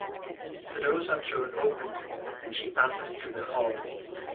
The doors are thrown open, and she passes through the hall.